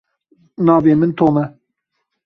Navê min Tom e.